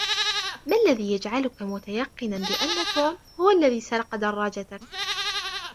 ما الذي يجعلك متيقّنًا بأنّ توم هو الذي سرق درّاجتك؟